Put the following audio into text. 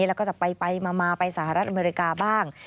แล้วก็จะไปมาไปสหรัฐอเมริกาบ้าง